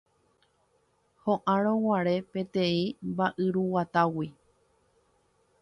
ho'árõguare peteĩ mba'yruguatágui